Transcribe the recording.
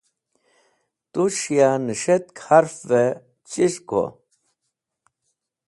Tus̃h ya nẽs̃ht harfẽvẽ chi go?